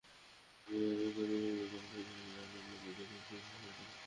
আন্তর্জাতিক শিক্ষার্থীদের সুবিধার জন্য প্রতিষ্ঠানটি অনলাইনেও তাদের কোর্স পরিচালনা করে থাকে।